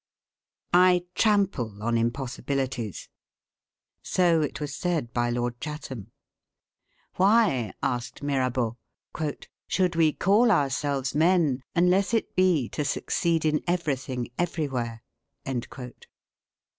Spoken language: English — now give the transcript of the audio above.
"I TRAMPLE ON IMPOSSIBILITIES": So it was said by Lord Chatham. "Why," asked Mirabeau, "should we call ourselves men, unless it be to succeed in everything everywhere?"